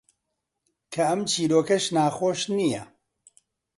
کە ئەم چیرۆکەش ناخۆش نییە: